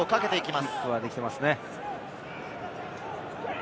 キープはできていますね。